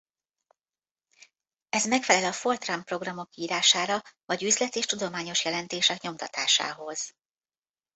Ez megfelel a Fortran programok írására vagy üzlet és tudományos jelentések nyomtatásához.